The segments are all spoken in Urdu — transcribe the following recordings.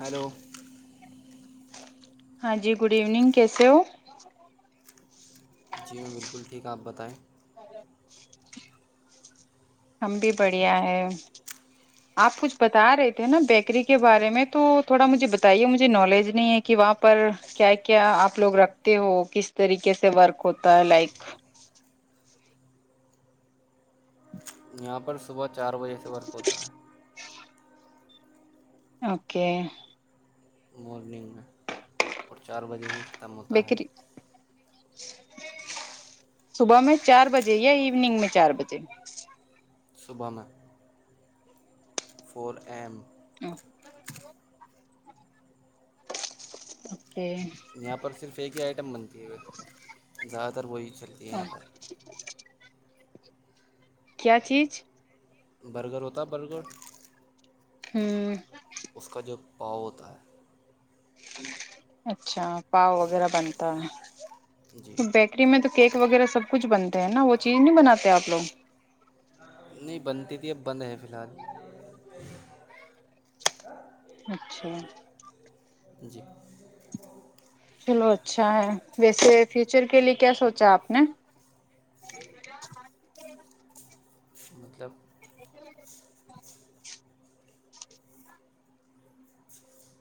ہلو ہاں جی گڈ ایوننگ کیسے ہو جی میں بالکل ٹھیک ہ آپ بتائیں ہم بھی بڑھیا ہے آپ کچھ بتا رہے تھے نا بیکری کے بارے میں تو تھوڑا مجھے بتائیے مجھے نالج نہیں ہے کہ وہاں پر کیا کیا آپ لوگ رکھتے ہو کس طریقے سے ورک ہوتا ہے لائک یہاں پر صبح چار بجے سے ورک ہوتا ہے اوکے مورننگ اور چار بجے ہی ختم ہوتا ہے بیکری صبح میں چار بجے یا ایوننگ میں چار بجے صبح میں فور ایم ہاں ہ یہاں پر صرف ایک ہی آئٹم بنتی ہے زد ار کوئی چلد ہے پر کیا چیز برگر ہوتا ہے برگر ہمم اس کا جو پاؤ ہوتا ہے اچھا پاؤ وغیرہ بنتا ہے جی بیکری میں تو کیک وغیرہ سب کچھ بنتا نا وہ چیز نہیں بناتے آپ لوگ نہیں بنتی تھی اب بند ہے فی الحال اچھا جی چلو اچھا ہے ویسے فیوچر کے لیے کیا سونچا آپ نے مطلب [unintelligible]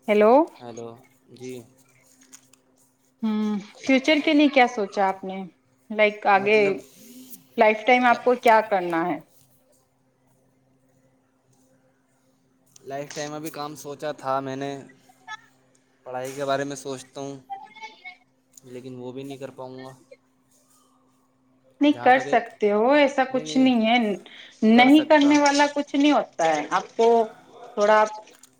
ہیلو ہیلو جی ہمم فیوچر کے لیے کیا سوچا آپ نے لائک آگے مطلب لائف ٹائم آپ کو کیا کرنا ہے لائف ٹائم ابھی کام سوچا تھا میں نے پڑھائی کے بارے میں سوچتا ہوں لیکن وہ بھی نہیں کر پاؤں گا نہیں جہاں کر تک ایک سکتے ہو ایسا کچھ نہیں ہے کر نہیں سکتا کرنے والا کچھ نہیں ہوتا ہے آپ کو تھوڑا آ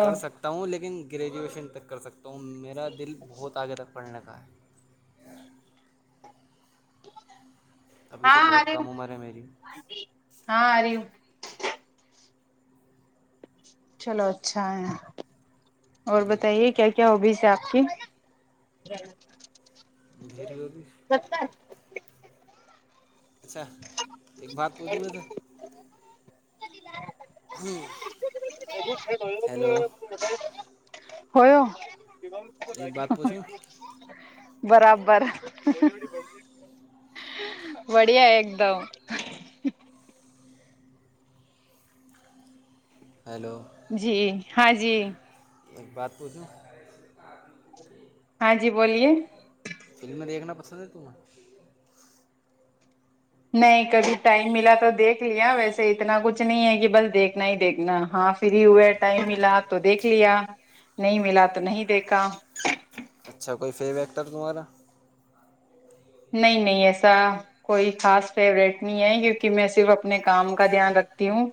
کر سکتا ہوں لیکن گریجویشن تک کر سکتا ہوں میرا دل بہت آگے تک پڑنے کا ابھی تو ہاں بہت کم عمر ہے میری ارہی ہاں ارہی ہوں چلو اچھا ہے اور جی بتائیے کیا کیا ہوگی سے آپ کی [unintelligible] اچھا ایک بات پوچھوں ویسے [unintelligible] [unintelligible] [unintelligible] [inaudible] ہیلو ایک بات پوچھوں برابر بڑیا ہے ایک دم ہیلو جی ہاں جی ایک بات پوچھو ہاں جی بولیے سبے کمار نہیں کبھی ٹائم ملا تو دیکھ لیا ویسے اتنا کچھ نہیں ہے کہ بس دیکھنا ہی دیکھنا ہاں فری ہوئے ٹائم ملا تو دیکھ لیا نہیں ملا تو نہیں دیکھا اچھا کوئی فیم ایکٹر تمہارا نہیں نہیں ایسا کوئی خاص فیوریٹ نہیں ہے کیونکہ میں صرف اپنے کام کا دھیان رکھتی ہوں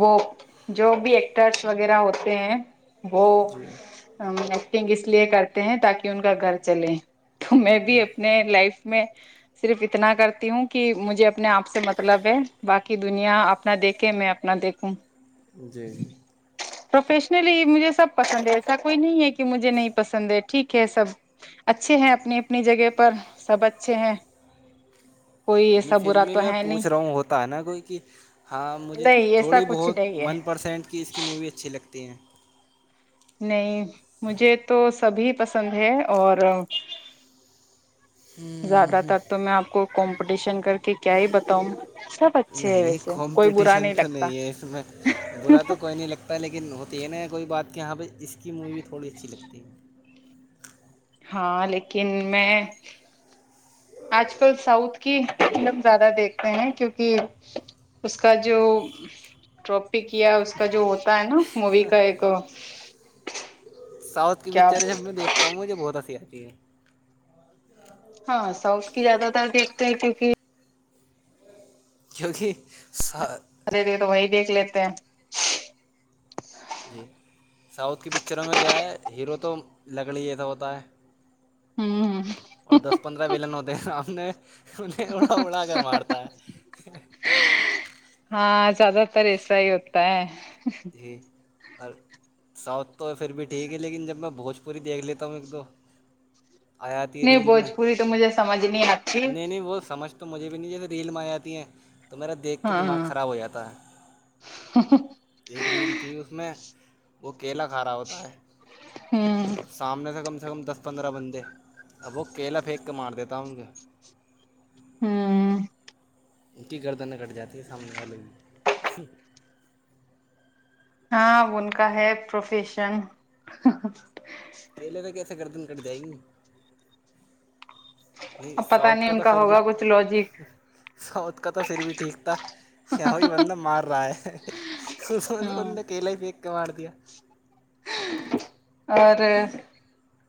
وہ جو بھی ایکٹرس وغیرہ ہوتے ہیں وہ جی ایکٹنگ اس لیے کرتے ہیں تاکہ ان کا گھر چلے تو میں بھی اپنے لائف میں صرف اتنا کرتی ہوں کہ مجھے اپنے آپ سے مطلب ہے باقی دنیا اپنا دیکھے میں اپنا دیکھوں جی جی پروفیشنلی مجھے سب پسند ہے ایسا کوئی نہیں ہے کہ مجھے نہیں پسند ہے ٹھیک ہے سب اچھے ہیں اپنی اپنی جگہ پر سب اچھے ہیں کوئی جی ایسا فھر برا بھی تو میں ہے نہیں پوچھ رہا ہوں ہوتا ہے نا کوئی کہ ہاں مجھے نہیں ایسا تھوڑی کچھ بہت نہیں ہے ون پرسینٹ کی اس کی مووی اچھی لگتی تین نہیں مجھے تو سبھی پسند ہے اور ہوں زیادہ ہوں تر تو میں آپ کو کمپٹیشن کر کے کیا ہی بتاؤں سب اچھے ہے نہیں ویسے کوئی برا کمپٹیشن تو لگتا نہیں ہے اس میں برا تو کوئی نہیں لگتا لیکن ہوتی ہے نا کوئی بات کہ یہاں پہ اس کی مووی تھوڑی اچھی لگتی ہے ہاں لیکن میں آج کل ساؤتھ کی فلم زیادہ دیکھتے ہیں کیوںکہ اس کا جو ٹاپک یا اس کا جو ہوتا ہے نا مووی کا ایک سؤتھ کیا پکچر جب میں بولتے دیکھتا ہوں مجھے بہتسی آگ ہے جھ ہاں ساؤتھ کی زیادہ تر دیکھتے ہیں کیونکہ جوونکہ س ارے دیک تو وہی دیکھ لیتے ہیں جی ساؤتھ کی پکچروں میں کیا ہے ہیرو تو لکڑی یہ تھا ہوتا ہے ہوں ہ اور دس پندرہ ویلن ہوتے ہیں آپ اور وڑگرر مارتا ہاں زیادہ تر ایسا ہی ہوتا ہے ج اور ساؤتھ تو پھر بھی ٹھیک ہے لیکن جب میں بھوجپوری دیکھ لیتا ہوں ایک دو آ جاتی ہے نہیں ریل میں بھوجپوری تو مجھے سمجھ نہیں آتی نہیں نہیں وہ سمجھ تو مجھے بھی نہیں جیسے ریل میں آ جاتی ہیں تو میرا دیکھ کے ہاں دماغ خراب ہو جاتا ہے ایک ریل تھی اس میں وہ کیلا کھارا ہوتا ہے ہوں اب سامنے سے ہم کم دس پندرہ بندے اب وہ کیلا پھینک کے مار دیتا ہوں گ ہوں ان کی گردنیں کٹ جاتی ہے سامنے والوں بھی ہاں ان کا ہے پروفیشن [unintelligible] کرٹ د ہی نہیں اب پتا ساؤتھ نہیں کا ان تو پھر بھی ہوگا کچھ لوجک ساؤتھ کا تو پھر بھی ٹھیک تھا ئی بندہ مار رہا ہے ہاں ان نے اکیلا ہی پ ک مار دیا اور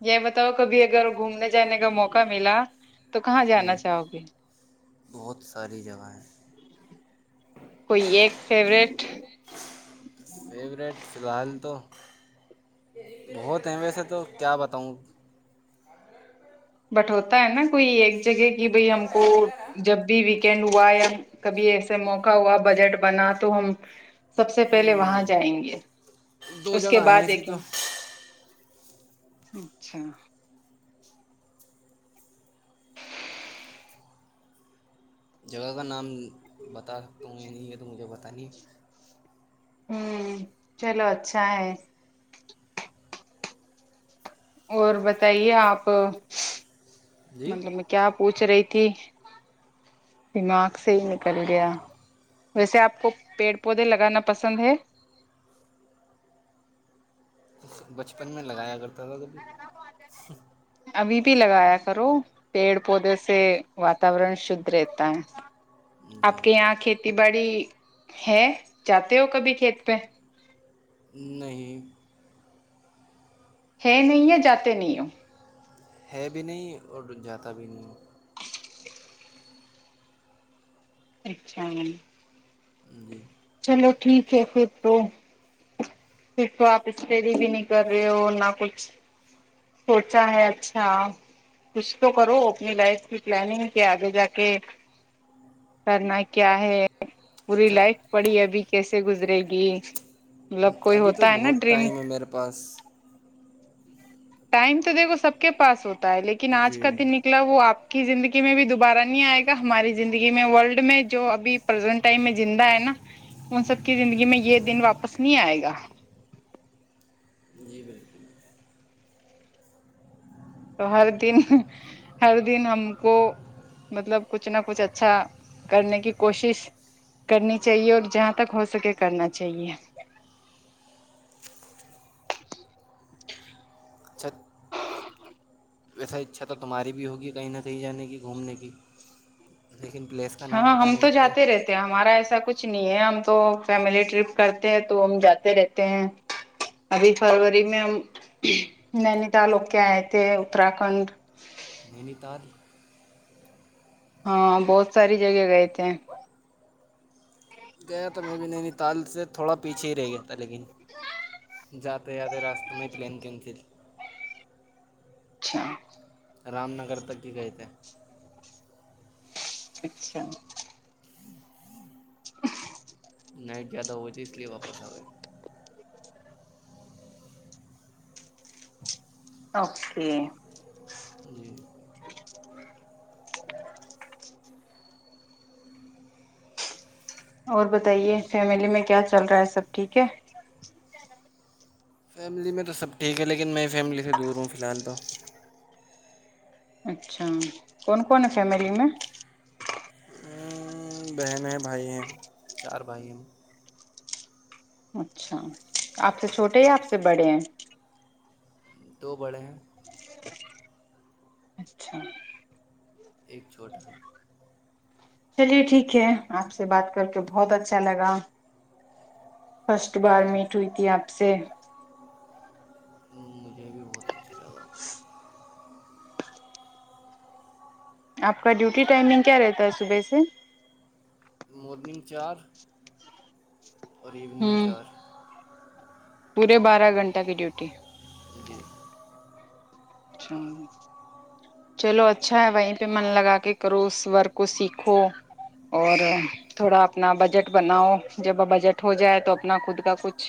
یہ بتاؤ کبھی اگر گھومنے جانے کا موقع ملا تو کہاں جانا ہوں، چاہو گے بہت ساری جگہیں کوئی ایک فیوریٹ [unintelligible] بہتے ہیں ویسے تو کیا بتاؤں بٹوتا ہے نا کوئی ایک جگہ کہ بھائی ہم کو جب بھی و ہوا یا کبھی ایسے موقع ہوا بجٹ بنا تو ہم سب سے پہلے وہاں ہوں، جائیں گے دو اس کے جگہ ہیں بعد ایسی دیکھیں تو اچھا جگہ کا نام بتا سکتا ہوں یہ نہیں ہے تو مجھے بتا [unintelligible] ہوں چلو اچھا ہے اور بتائیے آپ جی مطلب میں کیا پوچھ رہی تھی کہ دماغ سے ہی نکل گیا ویسے آپ کو پیڑ پودے لگانا پسند ہے بچپن میں لگایا کرتا تھا کبھی ابھی بھی لگایا کرو پیڑ پودے سے واتورن شھ رہتا ہے آپ جی کے یہاں کھیتی کھیتی باڑی ہے جاتے ہو کبھی کھیت پہ نہیں ہے نہیں ہے جاتے نہیںوں ہے بھی نہیں اور جاتا بھی نہیں اچھا جی چلو ٹھیک ہے پھر تو پھر تو آپ اسٹڈی بھی نہیں کر رہے ہو نہ کچھ [unintelligible] سوچا ہے اچھا کچھ تو کرو اپنی لائف کی پلاننگ کے آگے جا کے کرنا کیا ہے [unintelligible] پوری اچھا لائف پڑی ابھی کیسے گزرے گی [unintelligible] اڑ [unintelligible] ابھی تو بہت ٹائم ہے میرے پاس [unintelligible] ٹائم تو دیکھو سب کے پاس ہوتا [unintelligible] ہے لیکن آج جی کا دن نکلا وہ آپ کی زندگی [unintelligible] میں بھی دوبارہ نہیں آئے گا ہماری زندگی میں ورلڈ میں جو ابھی پرزینٹ ٹائم میں زندہ ہے نا ان سب کی زندگی میں یہ دن واپس نہیں آئے گا [unintelligible] جی بالکل تو ہر دن ہر دن ہم کو مطلب کچھ نہ کچھ اچھا کرنے کی کوشش کرنی چاہیے اور جہاں تک ہو سکے کرنا چاہیے [unintelligible] اچھا ویسا اچھا تو تمہاری بھی ہوگی کہیں نہ کہیں جانے کی گھومنے کی [unintelligible] کا نام ہاں بتا ہم نہیں تو سکتے جاتے رہتے ہیں ہمارا ایسا کچھ [unintelligible] کچھ نہیں ہے ہم تو فیملی ٹرپ کرتے تو ہم جاتے رہتے ہیں ابھی فروری میں ہم نینی تال ہو کے آئے تھے اترھنڈ [unintelligible] نینی تال [unintelligible] ہاں بہت ساری جگہ گئے تھے [unintelligible] گیا تو میں بھی نہیں نی تال سے تھوڑا پیچھے ہی رہ گیا تھا لیکن [unintelligible] ج [unintelligible] جاتے جاتے راست میں ہی پلین کینسل [unintelligible] اچھا [unintelligible] رام نگر تک ہی گئے تھے [unintelligible] اچھا [unintelligible] [unintelligible] نائٹ زیادہ ہو ت اس لیے واپس آ گئے [unintelligible] اوکے [unintelligible] جی [unintelligible] [unintelligible] اور بتائیے فیملی میں کیا چل رہا ہے سب ٹھیک ہے [unintelligible] فیملی میں تو سب ٹھیک ہے لیکن میں فیملی سے دور ہوں فی الحال تو [unintelligible] اچھا کون کون فیملی میں [unintelligible] ہوں، بہن ہیں بھائی ہیں چار بھائی ہیں [unintelligible] اچھا آپ سے چھوٹے یا آپ سے بڑے ہیں [unintelligible] تو [unintelligible] وڑے [unintelligible] اچھا [unintelligible] ایک چھوٹا ہے [unintelligible] چلیے ٹھیک ہے آپ سے بات کر کے بہت اچھا لگا [unintelligible] فسٹ بار جی میٹ ہوئی تھی آپ سے [unintelligible] مجھے بھی بہت اچھا لگا آپ کا ڈیوٹی ٹائمنگ کیا رہتا ہے صبح سے [unintelligible] مورنینگ چار [unintelligible] اور ایونگ ہوں چار [unintelligible] پورے بارہ گھنٹہ کی ڈیوٹی [unintelligible] ج جی [unintelligible] چلو اچھا ہے وہیں پہ من لگا کے کرو اس ورک کو سیکھو اور تھوڑا اپنا بجٹ بناؤ جب بجٹ ہو جائے تو اپنا خود کا کچھ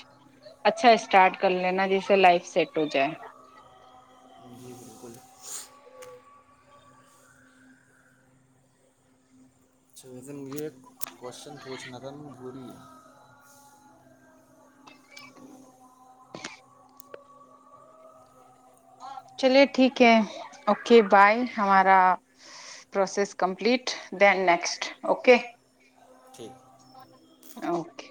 اچھا اسٹارٹ کر لینا جس سے لائف سیٹ ہو جائے [unintelligible] جی بالکل اچھا ویسے مجھے ایک کوشچن پوچنا تھا نہیں پوری ہے چلیے ٹھیک ہے اوکے بائے ہمارا process complete then next okay ٹھیک اوکے